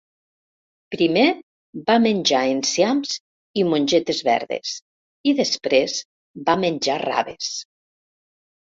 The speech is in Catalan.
Primer va menjar enciams i mongetes verdes i després va menjar raves.